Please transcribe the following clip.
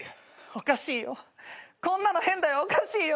おかしいよこんなの変だよおかしいよ。